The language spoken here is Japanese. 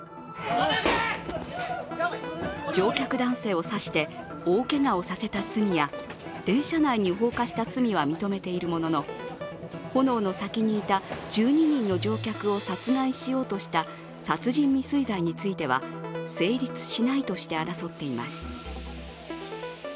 乗客男性を刺して大けがをさせた罪や電車内に放火した罪は認めているものの、炎の先にいた１２人の乗客を殺害しようとした殺人未遂罪については成立しないとして争っています。